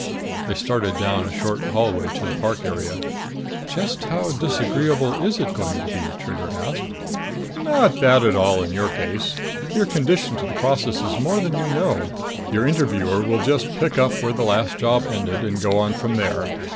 They started down a short hallway to the park area. "Just how disagreeable is it going to be?" Trigger asked. "Not at all bad in your case. You're conditioned to the processes more than you know. Your interviewer will just pick up where the last job ended and go on from there.